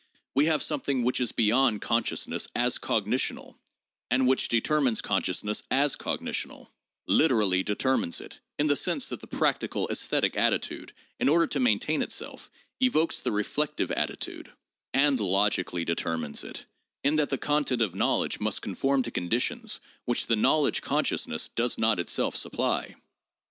We have something which is beyond consciousness as cognitional and which determines consciousness as cognitional — literally determines it in the sense that the practical esthetic attitude, in order to maintain itself, evokes the reflective atti tude; and logically determines it, in that the content of knowledge must conform to conditions which the knowledge consciousness does not itself supply.